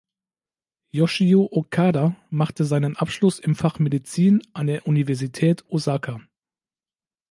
Yoshio Okada machte seinen Abschluss im Fach Medizin an der Universität Osaka.